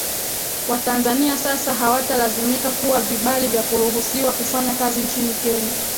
Watanzania sasa hawatalazimika kuwa vibali vya kuruhusiwa kufanya kazi nchini Kenya